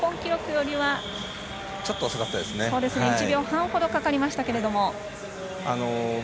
日本記録よりは１秒半ほどかかりましたけれども。